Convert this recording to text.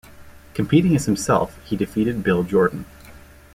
Competing as himself, he defeated Bill Jordan.